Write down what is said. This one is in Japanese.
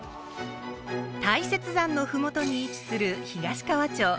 大雪山のふもとに位置する東川町。